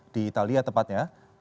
di italia tepatnya